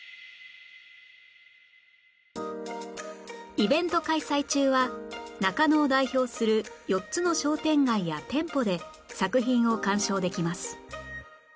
イベント開催中は中野を代表する４つの商店街や店舗で作品を鑑賞できます